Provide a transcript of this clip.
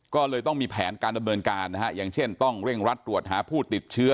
ก็เลยต้องมีแผนการดำเนินการนะฮะอย่างเช่นต้องเร่งรัดตรวจหาผู้ติดเชื้อ